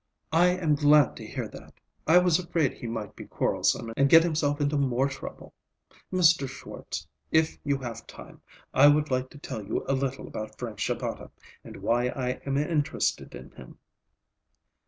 "I am glad to hear that. I was afraid he might be quarrelsome and get himself into more trouble. Mr. Schwartz, if you have time, I would like to tell you a little about Frank Shabata, and why I am interested in him."